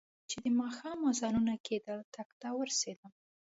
چې د ماښام اذانونه کېدل ټک ته ورسېدم.